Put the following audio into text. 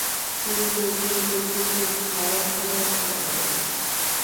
কিন্তু, কিন্তু, কিন্তু ভাবার সময় দেওয়া হবে না।